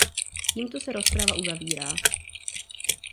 Tímto se rozprava uzavírá.